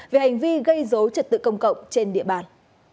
về hành vi gây dối trật tự công cộng trên địa bàn